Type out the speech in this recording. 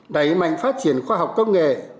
đẩy mạnh phát triển khoa học công nghệ